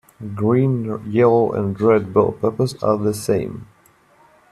Green, yellow and red bell peppers are the same.